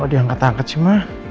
diangkat angkat sih mah